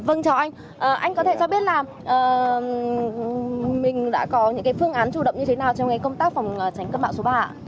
anh có thể cho biết là mình đã có những phương án chủ động như thế nào trong công tác phòng tránh cơn bão số ba ạ